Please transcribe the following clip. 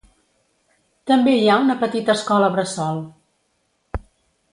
També hi ha una petita escola bressol.